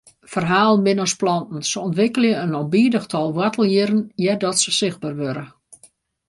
Ferhalen binne as planten, se ûntwikkelje in ûnbidich tal woartelhierren eardat se sichtber wurde.